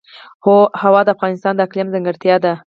هوا د افغانستان د اقلیم ځانګړتیا ده.